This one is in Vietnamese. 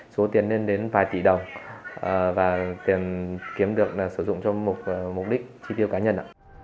số tiền lên đến vài tỷ đồng và tiền kiếm được sử dụng cho mục đích chi tiêu cá nhân